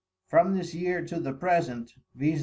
From this year to the present, _viz.